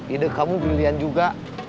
ide kamu brilian juga